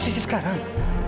pada posisi sekarang